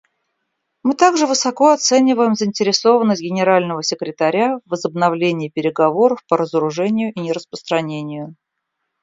Мы также высоко оцениваем заинтересованность Генерального секретаря в возобновлении переговоров по разоружению и нераспространению.